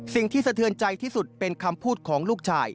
สะเทือนใจที่สุดเป็นคำพูดของลูกชาย